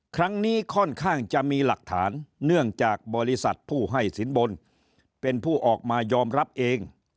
ครั้งนี้ค่อนข้างจะมีหลักฐานเนื่องจากบริษัทผู้ให้สินบนเป็นผู้ออกมายอมรับเอง